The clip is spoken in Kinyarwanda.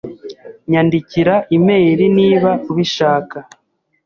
Nyandikira imeri niba ubishaka.